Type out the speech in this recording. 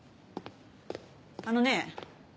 あのね